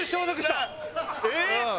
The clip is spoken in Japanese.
「えっ？